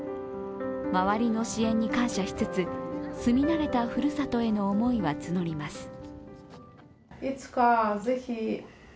周りの支援に感謝しつつ住み慣れたふるさとへの思いはつのります。